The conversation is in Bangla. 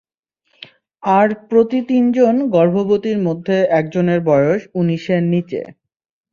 আর প্রতি তিন জন গর্ভবতীর মধ্যে একজনের বয়স উনিশের নিচে।